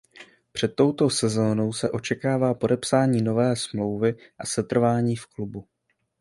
Před touto sezonou se očekává podepsání nové smlouvy a setrvání v klubu.